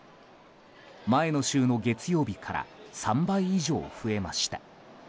前の週の月曜日から３倍以上増えました。